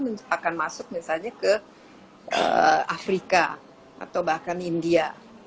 yang akan masuk misalnya ke afrika atau bahkan india